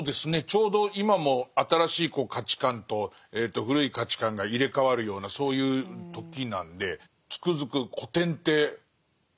ちょうど今も新しい価値観と古い価値観が入れ代わるようなそういう時なんでつくづく古典って新しいみたいな。